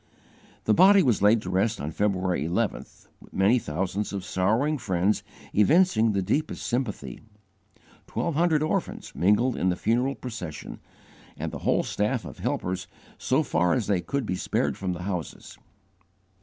The body was laid to rest on February 11th, many thousands of sorrowing friends evincing the deepest sympathy. Twelve hundred orphans mingled in the funeral procession, and the whole staff of helpers so far as they could be spared from the houses.